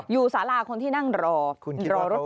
อยู่สาราคนที่นั่งรอรอร่วมผ่านไปผ่านมา